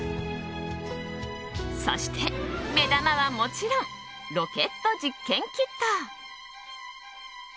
そして、目玉はもちろんロケット実験キット。